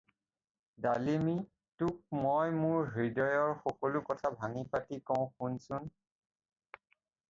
ডালিমী! তোক মই মোৰ হৃদয়ৰ সকলো কথা ভাঙি কওঁ শুনচোন।